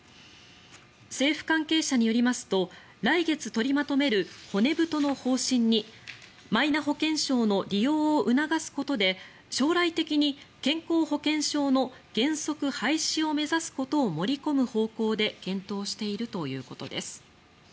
政府関係者によりますと来月取りまとめる骨太の方針にマイナ保険証の利用を促すことで将来的に健康保険証の原則廃止を目指すことを盛り込む方向で検討しているということです。